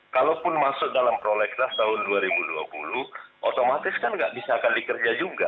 kalaupun masuk dalam prolegnas tahun dua ribu dua puluh otomatis kan nggak bisa akan dikerja juga